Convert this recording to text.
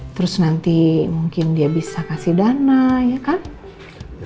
terus nanti mungkin dia bisa kasih dana ya kan